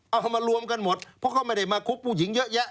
เอามารวมกันหมดเพราะเขาไม่ได้มาคบผู้หญิงเยอะแยะ